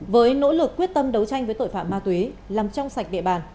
với nỗ lực quyết tâm đấu tranh với tội phạm ma túy làm trong sạch địa bàn